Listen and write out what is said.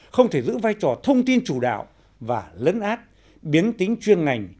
không thể giữ vai trò thông tin chủ đạo và lấn át biến tính chuyên ngành